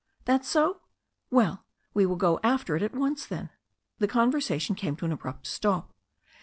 "That so? Well, we will go after it at once, then." The conversation came to an abrupt stop.